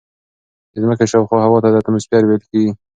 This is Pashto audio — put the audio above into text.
د ځمکې شاوخوا هوا ته اتموسفیر ویل کیږي.